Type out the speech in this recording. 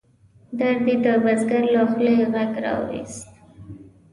درد یې د بزګر له خولې غږ را ویوست.